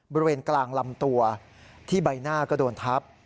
บริเวณกลางลำตัวที่ใบหน้าก็โดนทับ